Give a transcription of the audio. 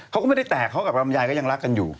เขาก็ไม่ได้แตกเขากับลำยายก็ยังรักกันอยู่